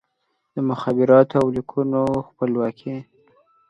د مخابراتو او لیکونو خپلواکي